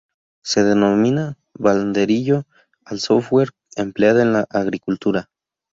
Se denomina Banderillero al software empleada en la agricultura.